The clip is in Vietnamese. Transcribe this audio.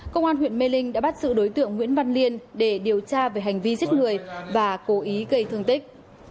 công an huyện mê linh đã bắt sự đối tượng nguyễn văn liên để điều tra về hành vi giết người và cố ý gây thương tích